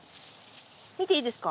見ていいですか？